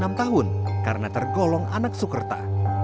namun karena tergolong anak soekerta